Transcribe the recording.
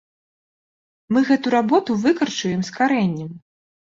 Мы гэту работу выкарчуем з карэннем.